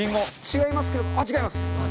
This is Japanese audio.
違いますけどあっ違います。